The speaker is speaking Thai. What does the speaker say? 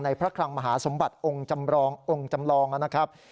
ในพระคลังมหาสมบัติองค์จำรองนะครับ